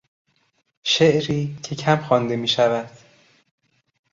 شعری که کم خوانده میشود